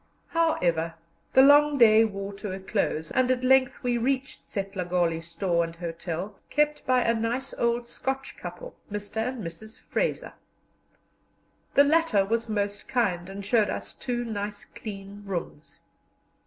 However, the long day wore to a close, and at length we reached Setlagoli store and hotel, kept by a nice old Scotch couple, Mr. and Mrs. Fraser. The latter was most kind, and showed us two nice clean rooms.